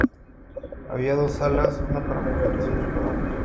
Había dos salas, una para mujeres y otra para hombres.